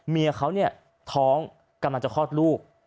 เมียเขาเนี่ยท้องกำลังจะคลอดลูก